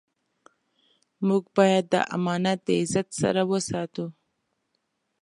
موږ باید دا امانت د عزت سره وساتو.